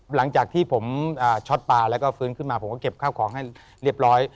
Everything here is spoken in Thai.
หลังจากที่ผมช็อตปลาแล้วก็ฟื้นขึ้นมาผมก็เก็บข้าวของให้เรียบร้อย